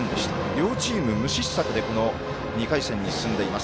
両チーム、無失策で２回戦に進んでいます。